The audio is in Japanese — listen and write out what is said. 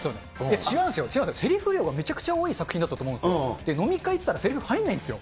違うんですよ、せりふ量がめちゃくちゃ多い作品だと思うんですよ、飲み会行ってたら、せりふ入んないんですよ。